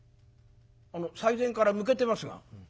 「あの最前から向けてますが」。